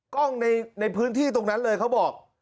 กล้องในพื้นที่ตรงนั้นเลยเขาบอก